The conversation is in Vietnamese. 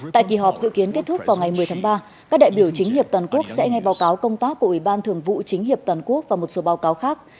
tại kỳ họp dự kiến kết thúc vào ngày một mươi tháng ba các đại biểu chính hiệp toàn quốc sẽ ngay báo cáo công tác của ủy ban thường vụ chính hiệp toàn quốc và một số báo cáo khác